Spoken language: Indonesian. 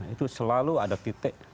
itu selalu ada titik